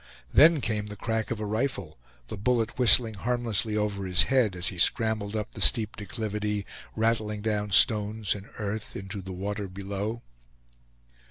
Then came the crack of a rifle, the bullet whistling harmlessly over his head, as he scrambled up the steep declivity, rattling down stones and earth into the water below.